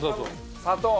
砂糖。